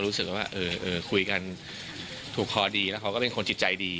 รู้สึกว่าคุยกันถูกคอดีแล้วเขาก็เป็นคนจิตใจดี